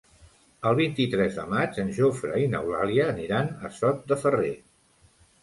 El vint-i-tres de maig en Jofre i n'Eulàlia aniran a Sot de Ferrer.